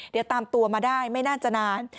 เดี๋ยวตามตัวมาได้ไม่น่าจะนาน